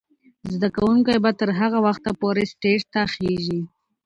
زده کوونکې به تر هغه وخته پورې سټیج ته خیژي.